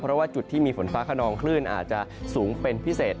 เพราะว่าจุดที่มีฝนฟ้าขนองคลื่นอาจจะสูงเป็นพิเศษ